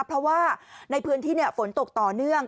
เพราะว่าในพื้นที่ฝนตกต่อเนื่อง